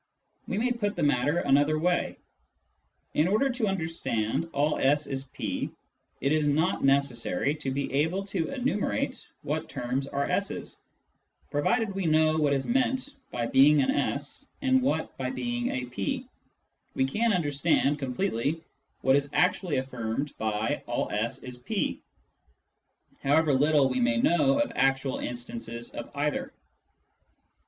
We may put the matter another way. In order to understand " all S is P," it is not necessary to be able to enumerate what terms are S's ; provided we know what is meant fi^being an S and what by being a P, we can understand completelyAvhat is actually affirmed II 1 62 Introduction to Mathematical Philosophy by " all S is P," however little we may know of actual instances of either.